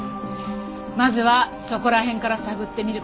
まずはそこら辺から探ってみるか。